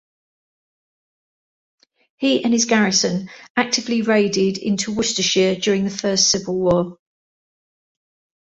He and his garrison actively raided into Worcestershire during the First Civil War.